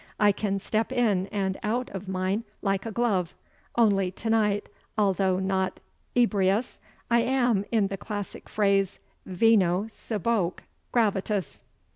I can step in and out of mine like a glove; only to night, although not EBRIUS, I am, in the classic phrase, VINO CIBOQUE GRAVATUS."